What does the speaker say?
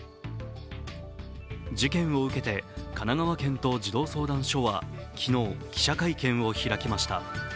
事件を受けて神奈川県と児童相談所は昨日、記者会見を開きました。